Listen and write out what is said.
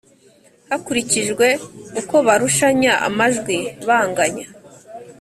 Hakurikijwe uko barushanya amajwi banganya